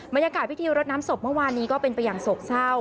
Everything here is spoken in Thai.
บรรยากาศพิธีรดน้ำศพเมื่อวานนี้ก็เป็นไปอย่างโศกเศร้า